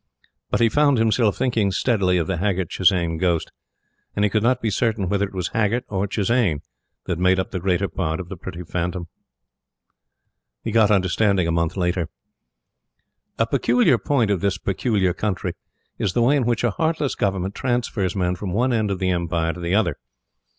But he found himself thinking steadily of the Haggert Chisane ghost; and he could not be certain whether it was Haggert or Chisane that made up the greater part of the pretty phantom. ......... He got understanding a month later. A peculiar point of this peculiar country is the way in which a heartless Government transfers men from one end of the Empire to the other.